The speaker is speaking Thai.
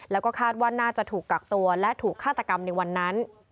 แล้วก็คาดว่าน่าจะถูกกักตัวและถูกฆาตกรรมในวันนั้น